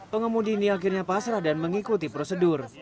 pengemudi ini akhirnya pasrah dan mengikuti prosedur